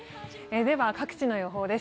各地の予報です。